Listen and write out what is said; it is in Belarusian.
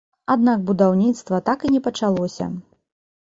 Аднак будаўніцтва так і не пачалося.